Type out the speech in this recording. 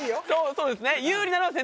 そうですね